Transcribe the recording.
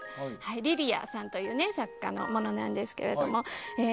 リリアさんという作家のものなんですけども。